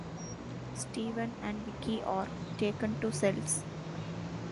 Steven and Vicki are taken to cells.